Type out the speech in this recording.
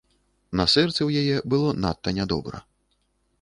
На сэрцы ў яе было надта нядобра.